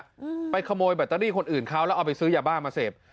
อืมไปขโมยแบตเตอรี่คนอื่นเขาแล้วเอาไปซื้อยาบ้ามาเสพ